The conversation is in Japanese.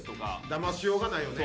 だましようがないよね